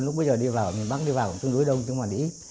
lúc bây giờ đi vào mình bác đi vào cũng đủ đông chứ còn đi ít